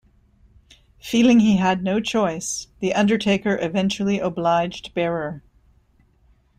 Feeling he had no choice, The Undertaker eventually obliged Bearer.